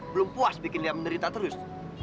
belum puas bikin dia menderita terus